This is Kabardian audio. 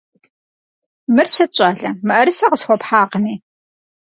Мыр сыт, щӀалэ, мыӀэрысэ къысхуэпхьакъыми?